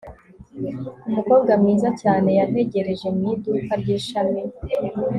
umukobwa mwiza cyane yantegereje mu iduka ry'ishami